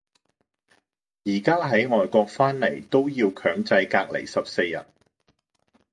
而家喺外國返嚟都要強制隔離十四日